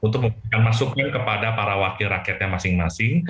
untuk memberikan masukan kepada para wakil rakyatnya masing masing